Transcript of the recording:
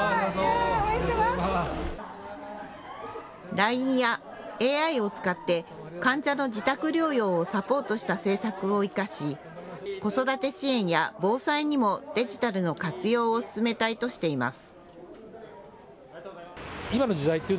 ＬＩＮＥやＡＩを使って、患者の自宅療養をサポートした政策を生かし、子育て支援や防災にもデジタルの活用を進めたいとしています。